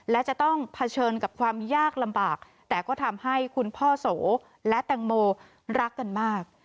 และจะต้องเผชิญกับความยากลำบากแต่ก็ทำให้คุณพ่อโสและแตงโมรักกันมาก